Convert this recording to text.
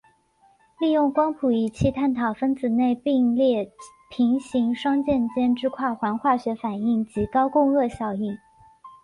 利用光谱仪器探讨分子内并列平行双键间之跨环化学反应及高共轭效应。